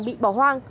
bị bỏ hoang